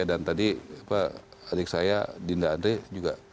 dan tadi adik saya dinda andre juga